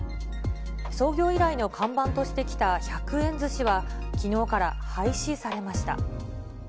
創業以来の看板としてきた１００円ずしは、きのうから廃止されました。